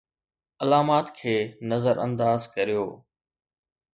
علامات کي نظر انداز ڪريو